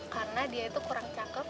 karena dia itu kurang cakep